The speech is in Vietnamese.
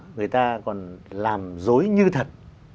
người ta còn làm dối như thật